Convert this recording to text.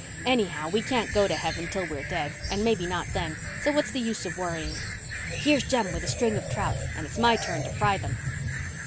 Anyhow, we can't go to heaven till we're dead and maybe not then, so what's the use of worrying? Here's Jem with a string of trout and it's my turn to fry them."